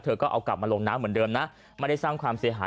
ก็เอากลับมาลงน้ำเหมือนเดิมนะไม่ได้สร้างความเสียหาย